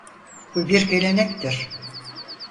Bu bir gelenektir.